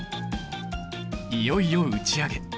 いよいよ打ち上げ！